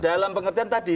dalam pengertian tadi